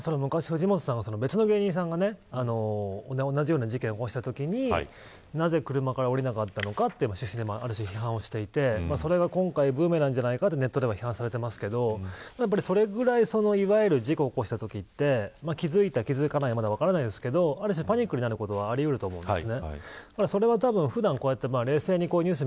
私、別の芸人さんが同じような事件を起こした時になぜ車から降りなかったのかと批判をしていて、それが今回ブーメランじゃないですけどネットでは批判されていてそれくらい、いわゆる事故を起こしたときって気付いた、気付かないは、まだ分からないですけど、ある種パニックになることはあり得ると思います。